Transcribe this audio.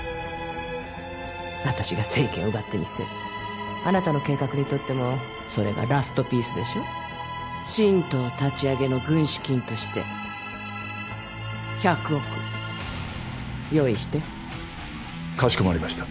私が政権を奪ってみせるあなたの計画にとってもそれがラストピースでしょ新党立ち上げの軍資金として１００億用意してかしこまりました